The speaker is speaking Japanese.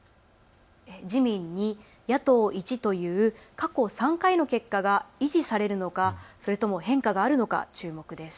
自民２、野党１という過去３回の結果が維持されるのか、それとも変化があるのか注目です。